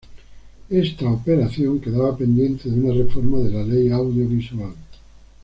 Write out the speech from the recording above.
Esa operación quedaba pendiente de una reforma de la Ley Audiovisual.